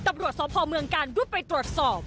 ตำรวจสพเมืองกาลรุดไปตรวจสอบ